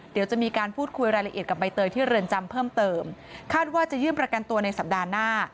เดี๋ยวจะมีการพูดคุยรายละเอียดกับใบเตยที่เรือนจำเพิ่มเติมคาดว่าจะยื่นประกันตัวในสัปดาห์หน้า